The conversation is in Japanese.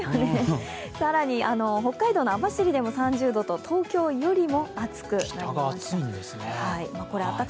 更に北海道の網走でも３０度と東京よりも暑くなりました。